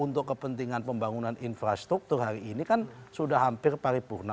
untuk kepentingan pembangunan infrastruktur hari ini kan sudah hampir paripurna